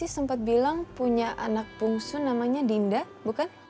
sempat bilang punya anak bungsu namanya dinda bukan